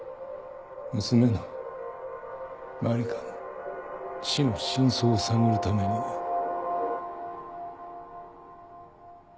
娘の麻里香の死の真相を探るためにね。